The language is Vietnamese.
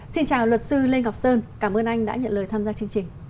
xin chào luật sư lê ngọc sơn cảm ơn anh đã nhận lời tham gia chương trình